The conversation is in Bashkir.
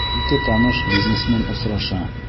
Ике таныш бизнесмен осраша.